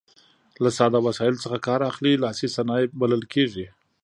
له ساده وسایلو څخه کار اخلي لاسي صنایع بلل کیږي.